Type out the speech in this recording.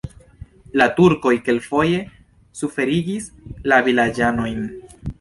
La turkoj kelkfoje suferigis la vilaĝanojn.